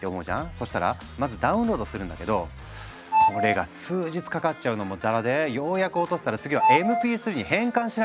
そしたらまずダウンロードするんだけどこれが数日かかっちゃうのもざらでようやく落とせたら次はＭＰ３に変換しなきゃならなかったんだ。